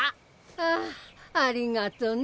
ああありがとね。